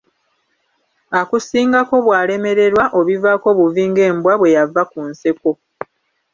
Akusingako bw’alemererwa obivaako buvi ng'embwa bwe yava ku nseko.